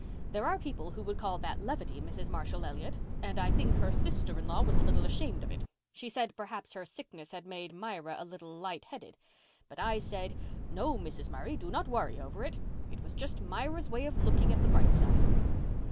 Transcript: There are people who would call that levity, Mrs. Marshall Elliott, and I think her sister in law was a little ashamed of it. She said perhaps her sickness had made Myra a little light headed. But I said, 'No, Mrs. Murray, do not worry over it. It was just Myra's way of looking at the bright side.